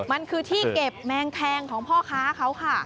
มันคือที่เก็บแมงแคงของพ่อค้าเขาค่ะ